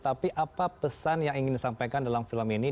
tapi apa pesan yang ingin disampaikan dalam film ini